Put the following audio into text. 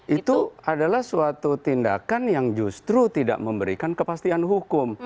itu adalah suatu tindakan yang justru tidak memberikan kepastian hukum